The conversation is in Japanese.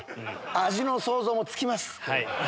味の想像はつきます。